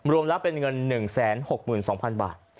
รวมแล้วเป็นเงิน๑๖๒๐๐๐บาท